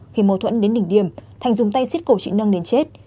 khi mâu thuẫn đến đỉnh điểm thành dùng tay xít cổ chị năng đến chết